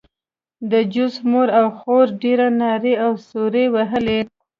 د جوزف مور او خور ډېرې نارې او سورې وهلې